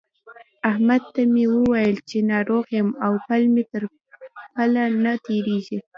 احمد ته مې وويل چې ناروغ يم او پل مې تر پله نه تېرېږي.